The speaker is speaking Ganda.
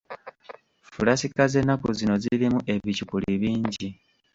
Fulasika z'ennaku zino zirimu ebiccupuli bingi.